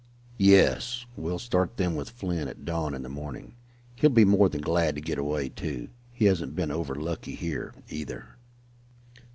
"Yes, we'll start them with Flint at dawn in the morning. He'll be more than glad to get away, too. He hasn't been over lucky here, either."